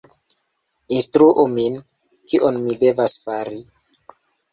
Instruu min, kion mi devas fari!